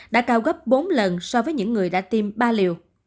đã cao gấp bốn lần so với những người đã tiêm ba liều